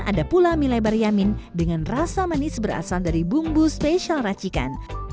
ada pula mie lebar yamin dengan rasa manis berasal dari bumbu spesial racikan